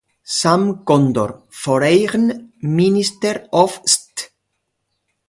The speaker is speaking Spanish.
Sam Condor, Foreign Minister of St.